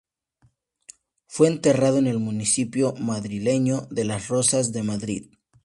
Fue enterrado en el municipio madrileño de Las Rozas de Madrid.